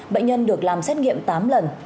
bệnh nhân được làm xét nghiệm tám lần